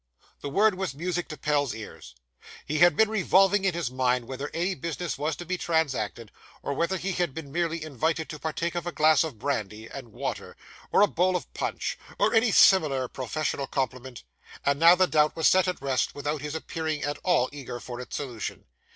The word was music to Pell's ears. He had been revolving in his mind whether any business was to be transacted, or whether he had been merely invited to partake of a glass of brandy and water, or a bowl of punch, or any similar professional compliment, and now the doubt was set at rest without his appearing at all eager for its solution.